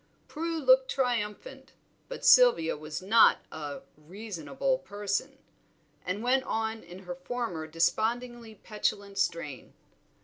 Prue looked triumphant, but Sylvia was not a "reasonable person," and went on in her former despondingly petulant strain.